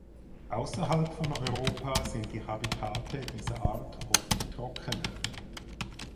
Außerhalb von Europa sind die Habitate dieser Art oft trockener.